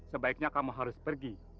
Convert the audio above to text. sebaiknya kamu harus pergi